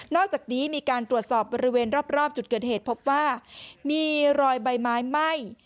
อกจากนี้มีการตรวจสอบบริเวณรอบจุดเกิดเหตุพบว่ามีรอยใบไม้ไหม้